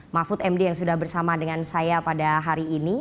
mahfud md yang sudah bersama dengan saya pada hari ini